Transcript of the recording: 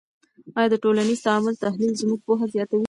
آیا د ټولنیز تعامل تحلیل زموږ پوهه زیاتوي؟